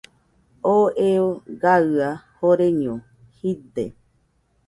Oo eo gaɨa joreño jide.